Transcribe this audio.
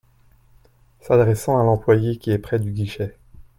S’adressant à l’employé qui est près du guichet.